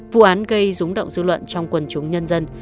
vụ án gây rúng động dư luận trong quần chúng nhân dân